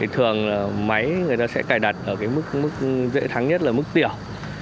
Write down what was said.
thường máy người ta sẽ cài đặt ở mức mức dễ thắng nhất là mức tiểu